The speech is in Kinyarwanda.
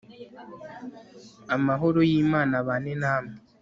amahoro y imana abane namwe!!!